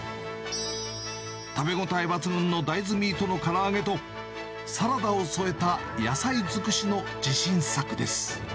食べ応え抜群の大豆ミートのから揚げと、サラダを添えた野菜尽くしの自信作です。